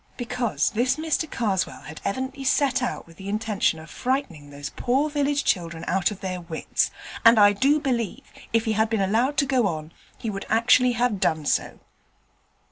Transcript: Because this Mr Karswell had evidently set out with the intention of frightening these poor village children out of their wits, and I do believe, if he had been allowed to go on, he would actually have done so.